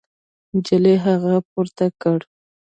نجلۍ هغه پورته کړ.